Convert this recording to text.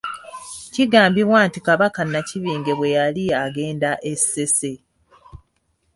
Kigambibwa nti Kabaka Nnakibinge bwe yali agenda e Ssese .